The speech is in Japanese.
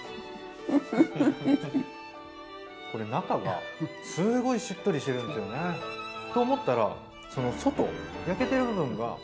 これ中がすごいしっとりしてるんですよね。と思ったらその外焼けてる部分が。